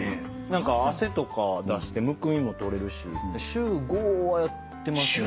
汗とか出してむくみもとれるし週５はやってますね。